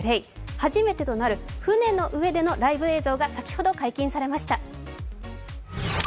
初めてとなる船の上でのライブ映像が先ほど解禁されました。